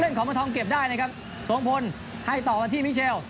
สงพลให้ต่อวันที่มิเชล